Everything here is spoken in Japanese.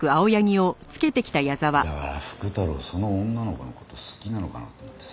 だから福太郎その女の子の事好きなのかなと思ってさ。